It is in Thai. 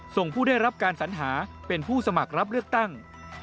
ผู้ได้รับการสัญหาเป็นผู้สมัครรับเลือกตั้ง